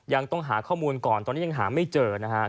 ยังต้องหาข้อมูลก่อนตอนนี้ยังหาไม่เจอนะครับ